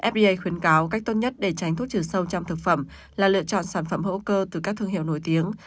fda khuyến cáo cách tốt nhất để tránh thuốc trừ sâu trong thực phẩm là lựa chọn sản phẩm hữu cơ từ các thương hiệu nổi tiếng